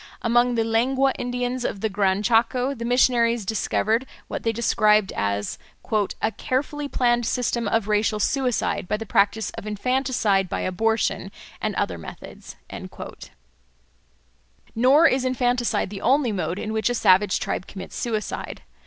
Among the Lengua Indians of the Gran Chaco, the missionaries discovered what they describe as "a carefully planned system of racial suicide, by the practice of infanticide by abortion, and other methods." Nor is infanticide the only mode in which a savage tribe commits suicide.